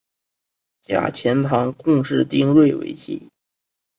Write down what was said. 嫁钱塘贡士丁睿为妻。